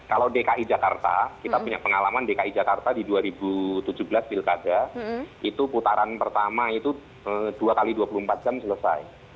kalau dki jakarta kita punya pengalaman dki jakarta di dua ribu tujuh belas pilkada itu putaran pertama itu dua x dua puluh empat jam selesai